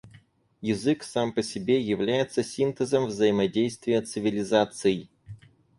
Язык, сам по себе, является синтезом взаимодействия цивилизаций.